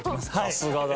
さすがだ。